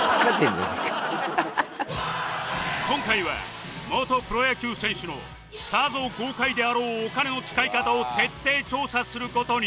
今回は元プロ野球選手のさぞ豪快であろうお金の使い方を徹底調査する事に